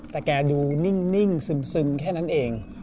แต่แกดูนิ่งซึมแค่นั้นเอง